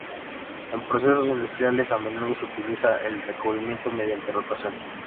En procesos industriales a menudo se utiliza el recubrimiento mediante rotación.